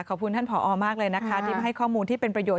ขอบคุณท่านผอมากเลยนะคะที่มาให้ข้อมูลที่เป็นประโยชน